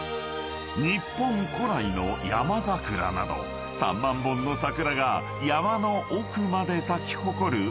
［日本古来のヤマザクラなど３万本の桜が山の奥まで咲き誇る絶景］